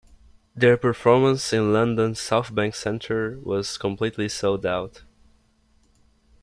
Their performance in London's Southbank Centre was completely sold out.